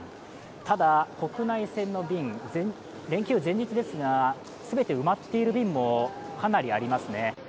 ただ、国内線の便、連休の前日ですが全て埋まっている便もかなりありますね。